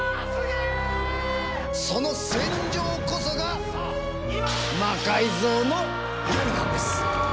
その戦場こそが「魔改造の夜」なんです！